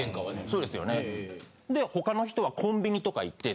そうですよね。